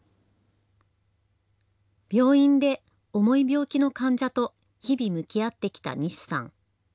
病院で重い病気の患者と日々、向き合ってきた西さん。